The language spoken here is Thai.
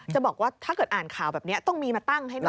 จะบอกว่าถ้าอ่านข่าวแบบนี้ต้องมีมาตั้งให้ด้วยนะ